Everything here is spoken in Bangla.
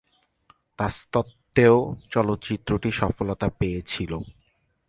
তাস্বত্ত্বেও চলচ্চিত্রটি সফলতা পেয়েছিল।